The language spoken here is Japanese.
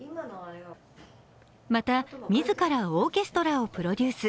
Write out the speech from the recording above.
また、自らオーケストラをプロデュース。